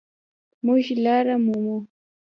مونږ لاره مومو